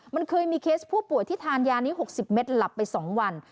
มันเคยมีเคสผู้ป่วยที่ทานยานี้๖๐เม็ดหลับไป๒วัน